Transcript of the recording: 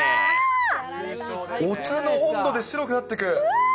お茶の温度で白くなってく。